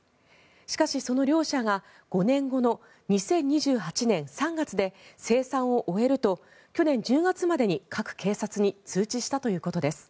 しかしその両社が５年後の２０２８年３月で生産を終えると去年１０月までに各警察に通知したということです。